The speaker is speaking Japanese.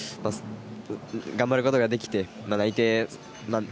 頑張ることができて。